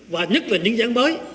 và nhất là những dự án mới